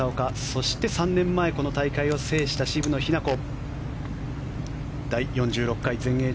そして３年前、この大会を制した渋野日向子。